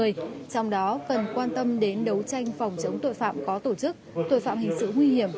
trong đó cần quan tâm đến đấu tranh phòng chống tội phạm có tổ chức tội phạm hình sự nguy hiểm